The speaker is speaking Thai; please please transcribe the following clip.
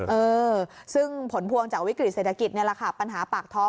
เออซึ่งผลพวงจากวิกฤตเศรษฐกิจนี่แหละค่ะปัญหาปากท้อง